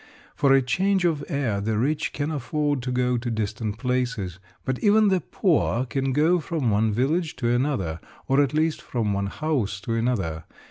For a change of air the rich can afford to go to distant places, but even the poor can go from one village to another, or at least from one house to another.